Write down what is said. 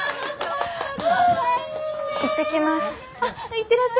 行ってきます。